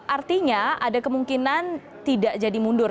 artinya ada kemungkinan tidak jadi mundur